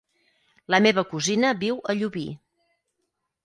La meva cosina viu a Llubí.